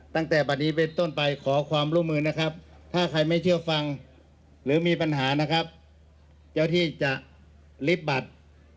ตั้งแต่บัตรนี้เป็นต้นไปขอความร่วมมือนะครับถ้าใครไม่เชื่อฟังหรือมีปัญหานะครับเจ้าที่จะลิฟต์บัตร